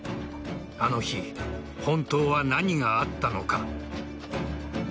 あの日、本当は何があったのか。